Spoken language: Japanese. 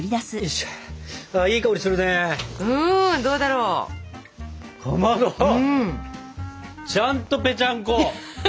かまどちゃんとぺちゃんこ！